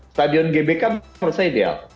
stadion gbk menurut saya ideal